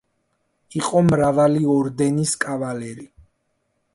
იყო მრავალი ორდენის კავალერი.